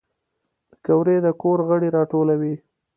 پکورې د کور غړي راټولوي